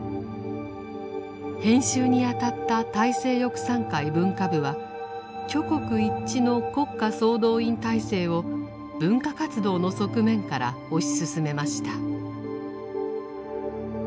編集にあたった大政翼賛会文化部は挙国一致の国家総動員体制を文化活動の側面から推し進めました。